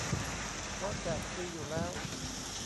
เพราะแจกฟรีอยู่แล้ว